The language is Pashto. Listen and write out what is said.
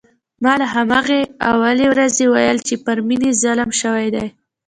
ما له همهغې اولې ورځې ویل چې پر مينې ظلم شوی دی